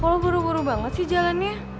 kok lo buru buru banget sih jalannya